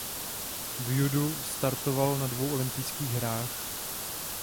V judu startoval na dvou olympijských hrách.